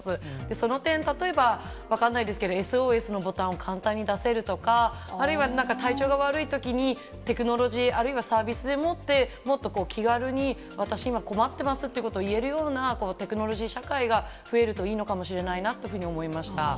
その点、例えば、分かんないですけど、ＳＯＳのボタンを簡単に出せるとか、あるいは、なんか体調が悪いときに、テクノロジー、あるいはサービスでもって、もっと気軽に私、今困っていますということを言えるようなテクノロジー社会が増えるといいのかもしれないなというふうに思いました。